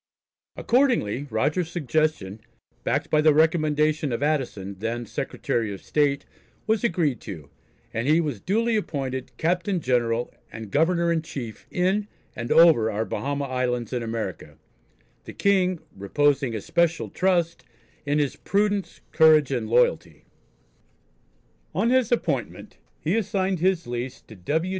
Accordingly, Rogers's suggestion, backed by the recommendation of Addison, then Secretary of State, was agreed to, and he was duly appointed "Captain General and Governor in Chief in and over our Bahama Islands in America," the King "reposing especial trust" in his "Prudence, Courage and Loyalty." On his appointment he assigned his lease to W.